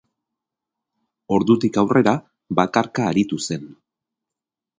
Ordutik aurrera bakarka aritu zen.